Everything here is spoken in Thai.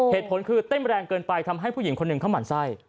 เหตุผลคือเต้นแรงเกินไปทำให้ผู้หญิงคนหนึ่งเขาหมั่นไส้